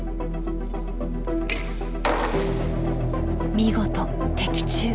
見事的中。